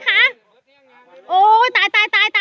ขึ้นลูกคืน